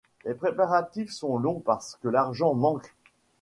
Les préparatifs sont longs parce que l’argent manque.